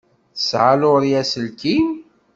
Tesɛa Laurie aselkim?